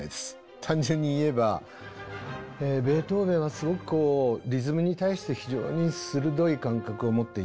単純に言えばベートーヴェンはすごくこうリズムに対して非常に鋭い感覚を持っていた。